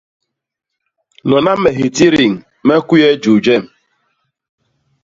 Lona me hitidin me kuye juu jem.